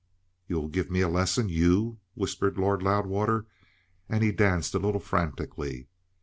"You'll give me a lesson? You?" whispered Lord Loudwater, and he danced a little frantically.